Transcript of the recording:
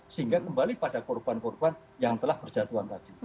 sehingga kembali pada korban korban yang telah berjatuhan tadi